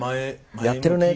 「やってるね！」